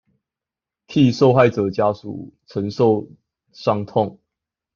替受害者家屬承受傷痛